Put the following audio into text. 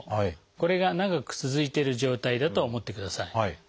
これが長く続いてる状態だと思ってください。